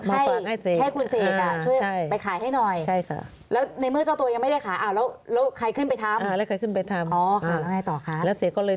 มาฝากให้เศกให้คุณเศกช่วยไปขายให้หน่อย